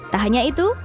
tak hanya itu